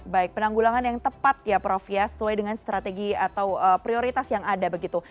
baik penanggulangan yang tepat ya prof ya sesuai dengan strategi atau prioritas yang ada begitu